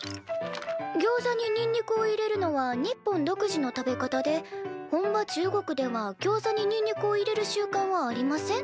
「ギョウザににんにくを入れるのは日本独自の食べ方で本場中国ではギョウザににんにくを入れる習慣はありません」